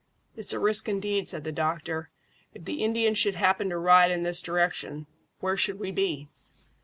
"It's a risk indeed," said the doctor. "If the Indians should happen to ride in this direction, where should we be?"